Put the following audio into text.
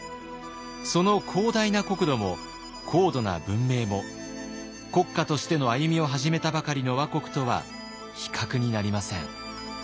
その広大な国土も高度な文明も国家としての歩みを始めたばかりの倭国とは比較になりません。